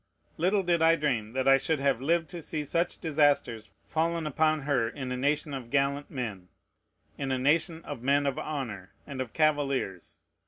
little did I dream that I should have lived to see such disasters fallen upon her in a nation of gallant men, in a nation of men of honor, and of cavaliers!